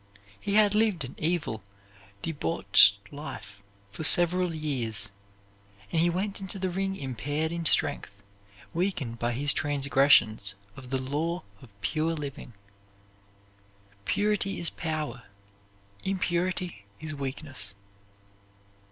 He had lived an evil, debauched life for several years, and he went into the ring impaired in strength, weakened by his transgressions of the law of pure living. Purity is power; impurity is weakness.